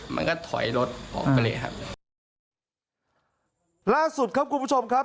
มันก็ถอยรถออกไปเลยครับล่าสุดครับคุณผู้ชมครับ